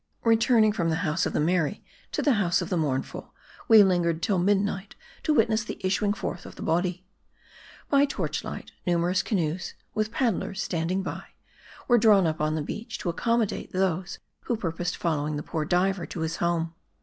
Returning from the house of the merry to the house of the mournful, we lingered till midnight tq witness the issu ing forth of the body. By torch light, numerous canoes, with paddlers standing by, were drawn up on the beach, to accommodate those who purposed following the poor diver to his home.